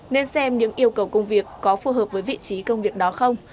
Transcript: nên xem những yêu cầu công việc có phù hợp với vị trí công việc đó không